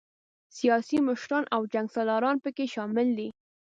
سیاسي مشران او جنګ سالاران پکې شامل دي.